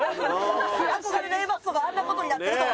憧れのＡマッソがあんな事になってるとは。